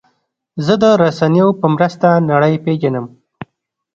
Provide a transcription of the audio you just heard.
زه د رسنیو په مرسته نړۍ پېژنم.